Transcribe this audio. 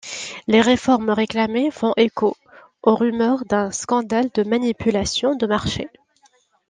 Les réformes réclamées font écho aux rumeurs d'un scandale de manipulation de marché.